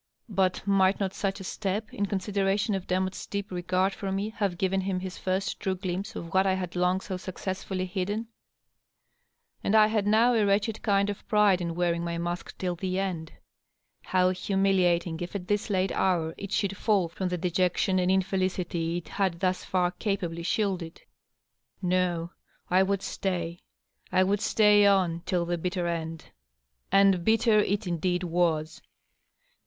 But might not such a step, in con sideration of Demotte's deep regard for me, have given him his first true glimpse of what I had long so successfully hidden ? And I had now a wretched kind of pride in wearing my mask till the end. How humiliating if at this late hour it should &1II from the dejection and in felicity it had thus fiur capably shielded ! No, I would stay ; I would stay on, till the bitter end. And bitter it indeed was